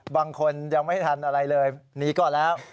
บางคนยังไม่ทันอะไรเลยหนีก่อนแล้ว